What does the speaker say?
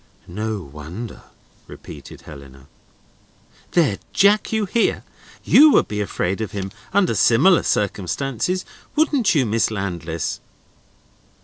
"No wonder," repeated Helena. "There, Jack, you hear! You would be afraid of him, under similar circumstances, wouldn't you, Miss Landless?"